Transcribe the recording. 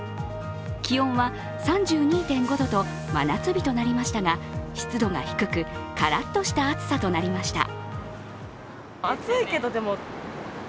気温は３２．５度と真夏日となりましたが湿度が低く、カラッとした暑さとなりました。